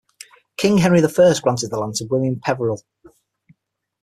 King Henry the First granted the land to William Peveril.